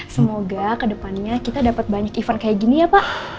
semoga kedepannya kita dapat banyak event kayak gini ya pak